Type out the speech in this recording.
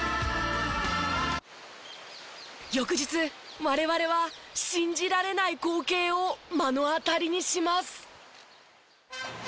翌日我々は信じられない光景を目の当たりにします。